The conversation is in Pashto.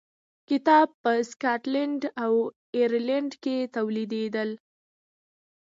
کتان په سکاټلند او ایرلنډ کې تولیدېدل.